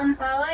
atau seperti itu